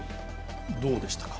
どうでしたか？